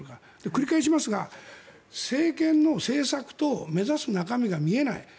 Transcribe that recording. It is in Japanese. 繰り返しますが政権の政策と目指す中身が見えない。